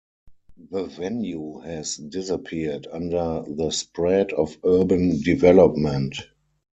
The venue has disappeared under the spread of urban development.